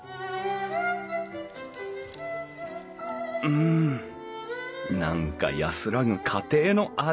うん何か安らぐ家庭の味。